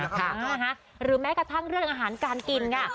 ค่ะนะคะหรือแม้กระทั่งเรื่องอาหารการกินค่ะ